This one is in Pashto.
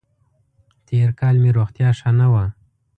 تېر کال مې روغتیا ښه نه وه